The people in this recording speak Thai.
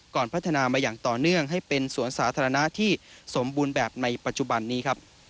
พัฒนามาอย่างต่อเนื่องให้เป็นสวนสาธารณะที่สมบูรณ์แบบในปัจจุบันนี้ครับ